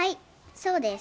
そうです。